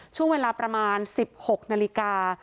ช่วงเวลาประมาณ๑๖นาฬิกา